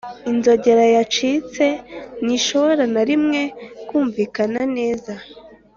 inzogera yacitse ntishobora na rimwe kumvikana neza.